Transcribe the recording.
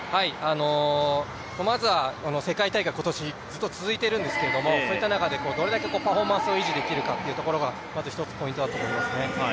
まずは世界大会、今年、ずっと続いているんですが、そういった中でどれだけパフォーマンスを維持できるかというところがポイントだと思いますね。